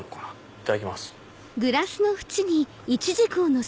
いただきます。